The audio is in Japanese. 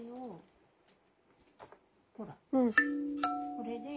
これで。